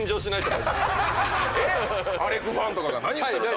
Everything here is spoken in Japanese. えっ⁉アレクファンとかが「何言ってるんだ！」